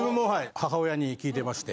母親に聞いてまして。